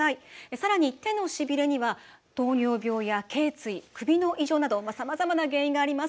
さらに手のしびれには糖尿病やけい椎首の異常などさまざまな原因があります。